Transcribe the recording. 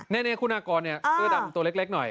เนี่ยเนี่ยคุณอากรเนี่ยกล้าตัวเล็กหน่อย